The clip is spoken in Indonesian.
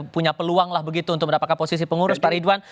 punya peluang lah begitu untuk mendapatkan posisi pengurus pak ridwan